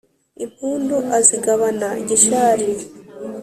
impundu azigabana gishari